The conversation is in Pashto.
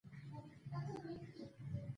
فیصله کړې ده.